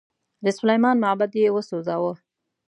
د سلیمان معبد یې وسوځاوه.